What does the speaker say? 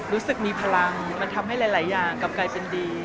รู้สึกมีพลังมันทำให้หลายอย่างกลับกลายเป็นดี